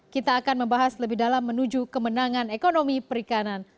kita akan membahas lebih dalam menuju kemenangan ekonomi perikanan